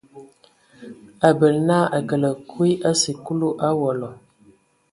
A bələ na a kələ kui a sikulu owola.